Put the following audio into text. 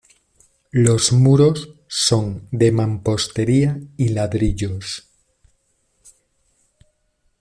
Los muros son de mampostería y ladrillos.